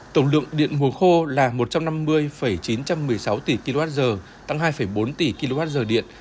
tổng lượng điện hồ khô là một trăm năm mươi chín trăm một mươi sáu tỷ kwh tăng hai bốn tỷ kwh điện